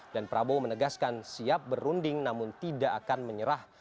dan prabowo menegaskan siap berunding namun tidak akan menyerah